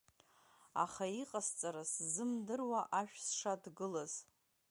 Аха иҟасҵара сзымдыруа ашә сшадгылаз…